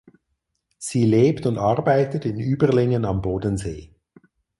Sie lebt und arbeitet in Überlingen am Bodensee.